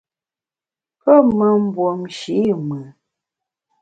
Pe me mbuomshe i mùn.